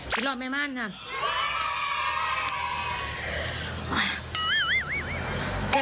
คือหล่อแม่ม่านค่ะ